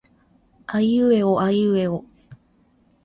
あいうえおあいうえお